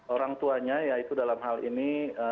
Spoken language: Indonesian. orang tuanya yaitu dalam hal ini